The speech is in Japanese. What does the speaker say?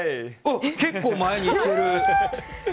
結構前に行ってる！